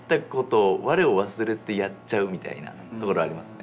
みたいなところありますね。